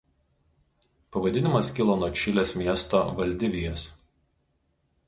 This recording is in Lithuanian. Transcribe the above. Pavadinimas kilo nuo Čilės miesto Valdivijos.